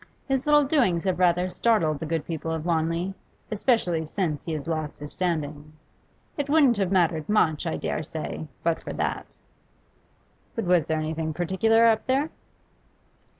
His little doings have rather startled the good people of Wanley, especially since he has lost his standing. It wouldn't have mattered much, I dare say, but for that.' 'But was there anything particular up there?